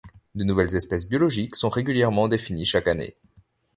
De nouvelles espèces biologiques sont régulièrement définies chaque année.